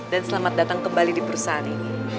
dan selamat datang kembali di perusahaan ini